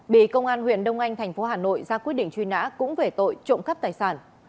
bị công an huyện đông anh thành phố hà nội ra quyết định truy nã cũng về tội trộm cắp tài sản